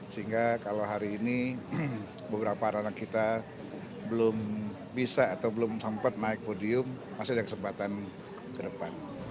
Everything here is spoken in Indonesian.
sehingga kalau hari ini beberapa anak kita belum bisa atau belum sempat naik podium masih ada kesempatan ke depan